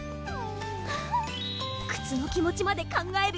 える靴の気持ちまで考える